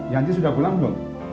yanti sudah pulang belum